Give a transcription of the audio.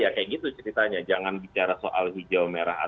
jadi kita bisa cukup berdaya untuk mengwawancara akan sisuk pembicaranya